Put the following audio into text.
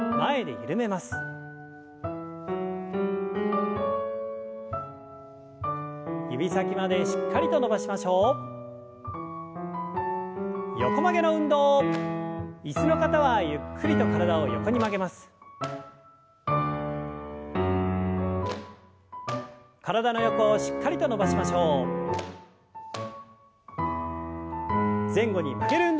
前後に曲げる運動。